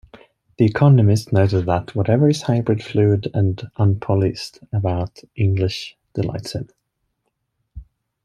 The Economist noted that "whatever is hybrid, fluid and unpoliced about English delights him".